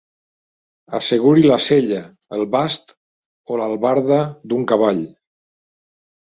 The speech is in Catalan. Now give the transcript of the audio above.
Asseguri la sella, el bast o l'albarda d'un cavall.